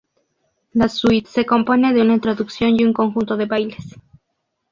La suite se compone de una introducción y un conjunto de bailes.